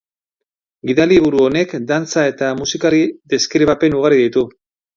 Gidaliburu honek dantza eta musikari deskribapen ugari ditu.